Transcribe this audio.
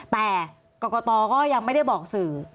แต่กรกตก็ยังไม่ได้บอกสื่อ